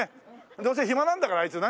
どうせ暇なんだからあいつね。